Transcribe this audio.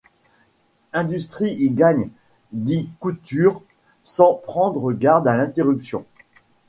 Industrie y gagne, dit Couture sans prendre garde à l’interruption.